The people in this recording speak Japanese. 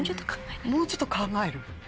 もうちょっと考える？